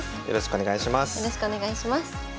よろしくお願いします。